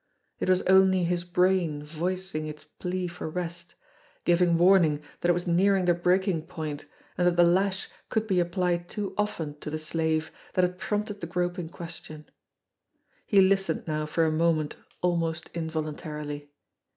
It was only his brain voicing its plea for rest, giving warning that it was nearing the breaking point and that the lash could be applied too often to the slave, that had prompted the groping question. He listened now for a moment almost involuntarily.